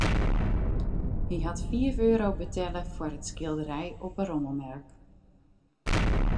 Hy hat fiif euro betelle foar it skilderij op in rommelmerk.